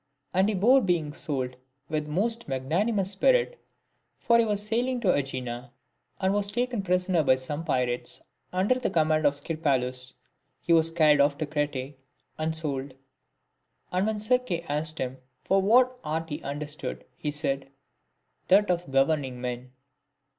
IX. And he bore being sold with a most magnanimous spirit. For as he was sailing to ^Egina, and was taken prisoner by some pirates, under the command of Scirpalus, he was carried off to Crete and sold; and when the Circe asked him what art he understood, he said, " That of governing men."